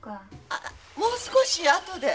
あもう少しあとで。